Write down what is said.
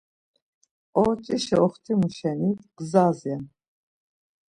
Orç̌işa oxtimu şeni gzas ren.